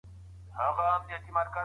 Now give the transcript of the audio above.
د ږدن په پټي کي له ډاره اتڼ ړنګېده.